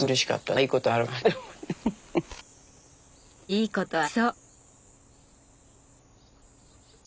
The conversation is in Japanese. いいことありそう。